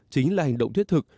chính là hành động thiết thực